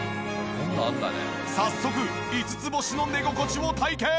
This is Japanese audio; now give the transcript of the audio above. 早速５つ星の寝心地を体験！